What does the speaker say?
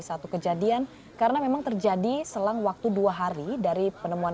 proses rekonstruksi ini sudah ada